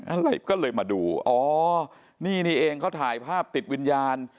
อะไรก็เลยมาดูอ๋อนี่นี่เองเขาถ่ายภาพติดวิญญาณ